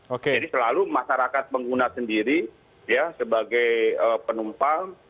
jadi selalu masyarakat pengguna sendiri ya sebagai penumpang